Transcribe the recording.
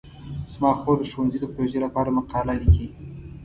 زما خور د ښوونځي د پروژې لپاره مقاله لیکي.